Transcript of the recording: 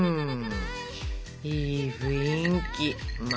いい雰囲気。